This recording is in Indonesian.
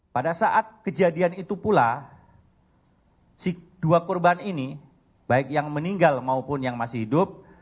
pada saat kejadian itu pula dua korban ini baik yang meninggal maupun yang masih hidup